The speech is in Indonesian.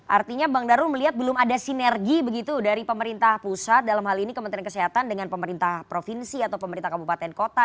artinya bang darul melihat belum ada sinergi begitu dari pemerintah pusat dalam hal ini kementerian kesehatan dengan pemerintah provinsi atau pemerintah kabupaten kota